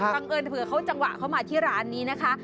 บังเอิญเผื่อเขาจังหวะเขามาที่ร้านนี้นะคะ